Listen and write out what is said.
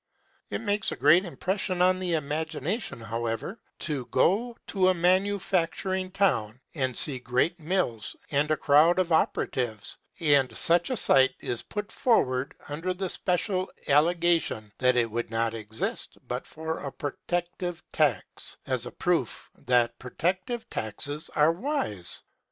It makes a great impression on the imagination, however, to go to a manufacturing town and see great mills and a crowd of operatives; and such a sight is put forward, under the special allegation that it would not exist but for a protective tax, as a proof that protective taxes are wise.